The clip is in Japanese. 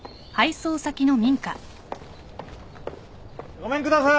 ごめんください。